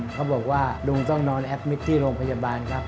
เขาบอกว่าลุงต้องนอนแอดมิตรที่โรงพยาบาลครับ